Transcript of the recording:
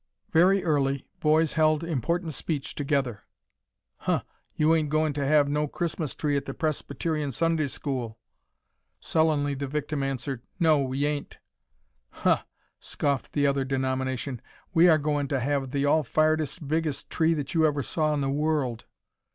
Very early, boys held important speech together. "Huh! you ain't goin' to have no Christmas tree at the Presbyterian Sunday school." Sullenly the victim answered, "No, we ain't." "Huh!" scoffed the other denomination, "we are goin' to have the all firedest biggest tree that you ever saw in the world."